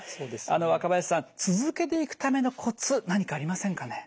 あの若林さん続けていくためのコツ何かありませんかね。